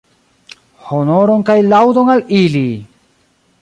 Honoron kaj laŭdon al ili!